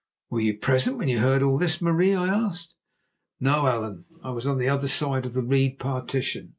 '" "Were you present when you heard all this, Marie?" I asked. "No, Allan; I was the other side of the reed partition.